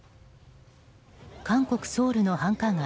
韓国ソウルの繁華街